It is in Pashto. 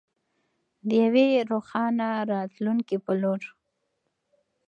د یوې روښانه راتلونکې په لور.